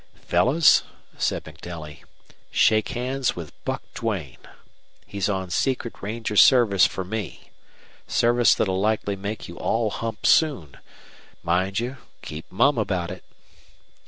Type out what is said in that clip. "Fellows," said MacNelly, "shake hands with Buck Duane. He's on secret ranger service for me. Service that'll likely make you all hump soon! Mind you, keep mum about it."